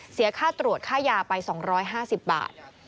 เสียค่าตรวจค่ายาไป๒๕๐บาท